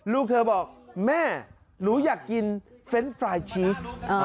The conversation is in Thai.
ลูกเธอบอกแม่หนูอยากกินเฟรนด์ฟรายชีส